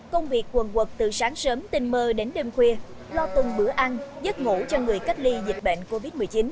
công việc quần quật từ sáng sớm tình mơ đến đêm khuya lo từng bữa ăn giấc ngủ cho người cách ly dịch bệnh covid một mươi chín